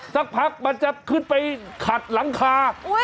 สักพักมันจะขึ้นไปขัดหลังคา